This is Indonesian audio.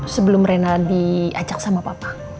sebelum reina diajak sama papa